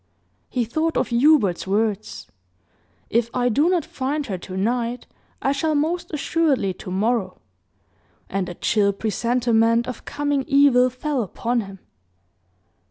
He thought of Hubert's words, "If I do not find her tonight, I shall most assuredly to morrow," and a chill presentiment of coming evil fell upon him.